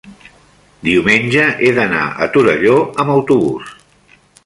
diumenge he d'anar a Torelló amb autobús.